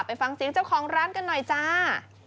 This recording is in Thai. ไปฟังเสียงเจ้าของร้านกันหน่อยจ้า